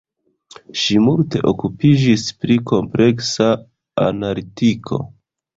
Ŝi multe okupiĝis pri kompleksa analitiko.